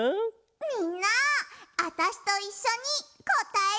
みんなあたしといっしょにこたえよう！せの。